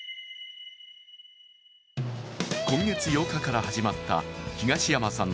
今月８日から始まった東山さん